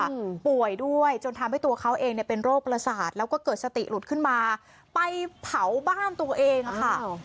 อืมป่วยด้วยจนทำให้ตัวเขาเองเนี้ยเป็นโรคประสาทแล้วก็เกิดสติหลุดขึ้นมาไปเผาบ้านตัวเองอ่ะค่ะ